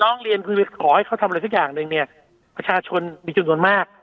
ร้องเรียนคือขอให้เขาทำอะไรสักอย่างหนึ่งเนี่ยประชาชนมีจำนวนมาก